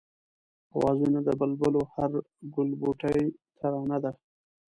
آوازونه د بلبلو هر گلبوټی ترانه ده